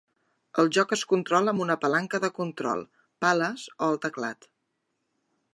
El joc es controla amb una palanca de control, pales o el teclat.